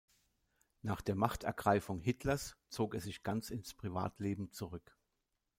Nach der Machtergreifung Hitlers zog er sich ganz ins Privatleben zurück.